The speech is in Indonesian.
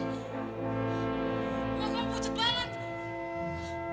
wah kamu pucat banget